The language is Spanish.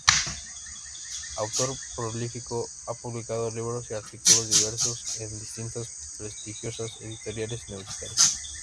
Autor prolífico, ha publicado libros y artículos diversos en distintas prestigiosas editoriales universitarias.